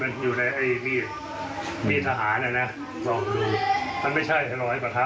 เพราะว่าเรามีความจำนำท้องคฤศรณา